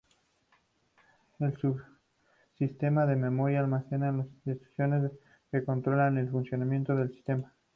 El subsistema de memoria almacena las instrucciones que controlan el funcionamiento del sistema.